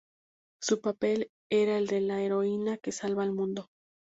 Su papel era el de la heroína que salva al mundo.